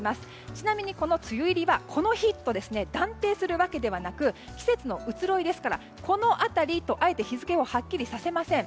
ちなみに、この梅雨入りはこの日と断定するわけではなく季節の移ろいですからこの辺りと、あえて日付をはっきりさせません。